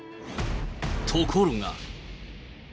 ところが。